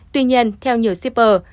tuy nhiên theo nhiều shipper